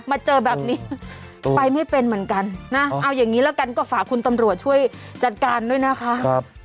มาเจอแบบนี้ไปไม่เป็นเหมือนกันนะเอาอย่างนี้แล้วกันก็ฝากคุณตำรวจช่วยจัดการด้วยนะคะ